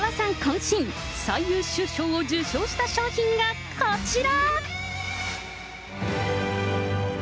身、最優秀賞を受賞した商品がこちら。